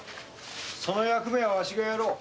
その役はわしがやろう。